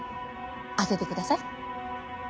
当ててください。